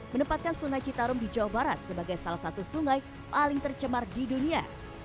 menempatkan sungai citarum di jawa barat sebagai salah satu sungai paling tercemar di dunia